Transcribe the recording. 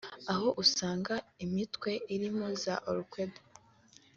aho usanga imitwe irimo za Al Qaeda